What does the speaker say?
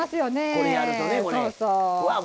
これやるとね。